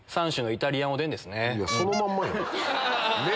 そのまんまやん。